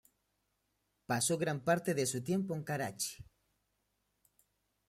Pasó gran parte de su tiempo en Karachi.